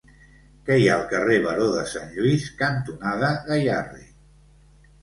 Què hi ha al carrer Baró de Sant Lluís cantonada Gayarre?